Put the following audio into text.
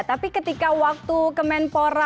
tapi ketika waktu kemenpora